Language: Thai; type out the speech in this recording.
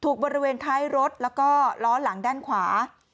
ถูกบริเวณคล้ายรถและล้อหลังข่าว